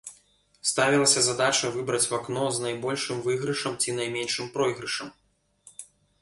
Ставілася задача выбраць вакно з найбольшым выйгрышам ці найменшым пройгрышам.